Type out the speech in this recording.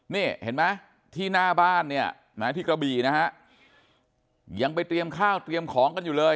นี่เห็นไหมที่หน้าบ้านเนี่ยนะที่กระบี่นะฮะยังไปเตรียมข้าวเตรียมของกันอยู่เลย